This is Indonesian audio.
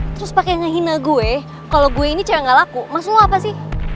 terus pake ngehina gue kalo gue ini cewek gak laku maksud lo apa sih